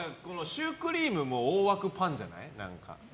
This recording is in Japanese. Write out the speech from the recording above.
シュークリームも大枠、パンじゃない。